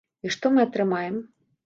І што мы атрымаем?